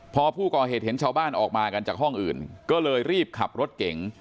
พอผู้ก่อเหตุเห็นชาวบ้านออกมากันจากห้องอื่นก็เลยรีบขับรถเก่ง